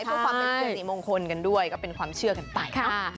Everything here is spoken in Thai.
เพื่อความเป็นสิริมงคลกันด้วยก็เป็นความเชื่อกันไป